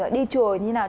đi chùa như thế nào